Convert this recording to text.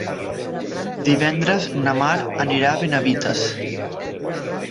Divendres na Mar anirà a Benavites.